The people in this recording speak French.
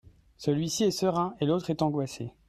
Celui-ci est serein et l'autre est angoissé.